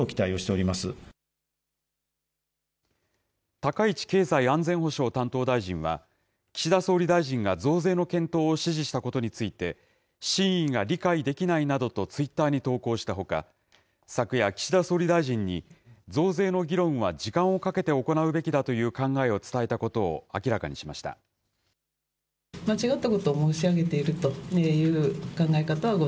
高市経済安全保障担当大臣は、岸田総理大臣が増税の検討を指示したことについて、真意が理解できないなどとツイッターに投稿したほか、昨夜、岸田総理大臣に、増税の議論は時間をかけて行うべきだという考えを伝えたことを明らかにしました。